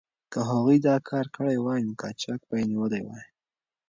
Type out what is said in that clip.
که هغوی دا کار کړی وای، نو قاچاق به یې نیولی وای.